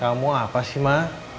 kamu apa sih ma